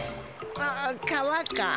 ああ川か。